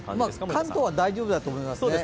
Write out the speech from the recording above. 関東は大丈夫だと思いますね。